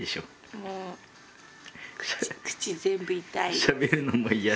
もう口全部痛いです。